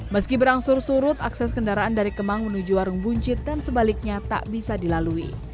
meski berangsur surut akses kendaraan dari kemang menuju warung buncit dan sebaliknya tak bisa dilalui